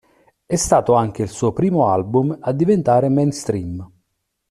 È stato anche il suo primo album a diventare mainstream.